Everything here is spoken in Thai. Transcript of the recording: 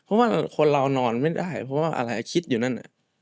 เพราะว่าคนเรานอนไม่ได้เพราะว่าอะไรคิดอยู่นั่น